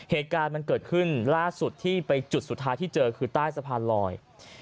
เหตุการณ์มันเกิดขึ้นล่าสุดที่ไปจุดสุดท้ายที่เจอคือใต้สะพานลอย